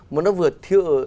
mà nó vừa thiêu